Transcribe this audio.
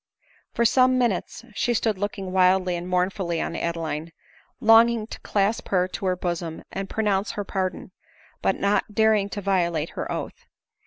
For some minutes she stood looking wildly and mournfully on Adeline, longing to clasp her to her bosom, and pronounce her pardon, but not daring to violate her oath.